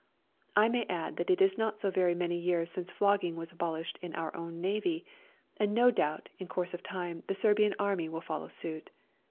I may add that it is not so very many years since flogging was abolished in our own Navy, and no doubt in course of time the Serbian Army will follow suit.